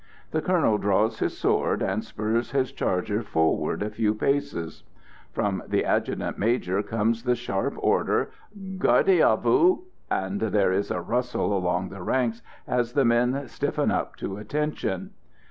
The Colonel draws his sword, and spurs his charger forward a few paces. From the "adjudant major" comes the sharp order, "Garde à vous!" and there is a rustle along the ranks as the men stiffen up to attention.